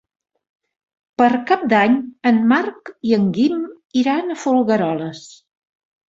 Per Cap d'Any en Marc i en Guim iran a Folgueroles.